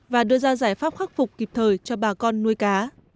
và đưa ra giải pháp khắc phục kịp thời cho bà con nuôi cá